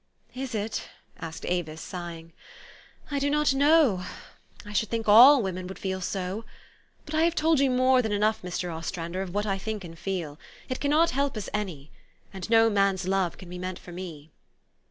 "Is it? " asked Avis, sighing :" I do not know. I should think all women would feel so. But I have told you more than enough, Mr. Ostrander, of what I think and feel. It cannot help us any. And no man's love can be meant for me."